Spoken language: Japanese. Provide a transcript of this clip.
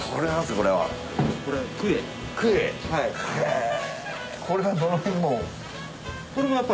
これはどの辺。